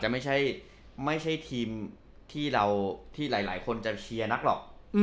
มันไม่ใช่ทีมที่หลายคนจะเชียร์นักหรอก